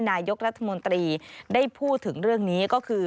นายกรัฐมนตรีได้พูดถึงเรื่องนี้ก็คือ